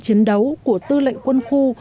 chiến đấu của tư lệnh quân khu